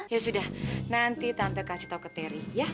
ya sudah nanti tante kasih tau ke terry ya